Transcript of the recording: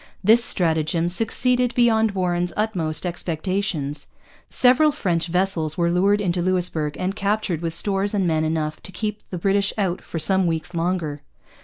This stratagem succeeded beyond Warren's utmost expectations. Several French vessels were lured into Louisbourg and captured with stores and men enough to have kept the British out for some weeks longer.